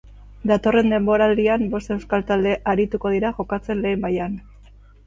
Datorren denboraldian bost euskal talde arituko dira jokatzen lehen mailan.